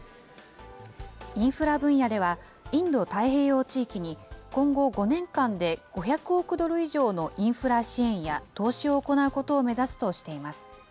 インフラ分野では、インド太平洋地域に、今後５年間で５００億ドル以上のインフラ支援や、投資を行うことを目指すとしています。